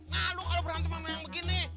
nah lo kalau berantem sama yang begini